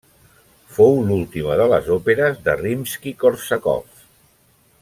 Fou l'última de les òperes de Rimski-Kórsakov.